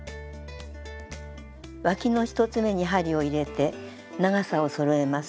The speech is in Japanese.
わきの１つめに針を入れて長さをそろえます。